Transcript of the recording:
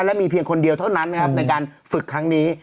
และมีเพียงคนเดียวเท่านั้นนะครับในการฝึกครั้งนี้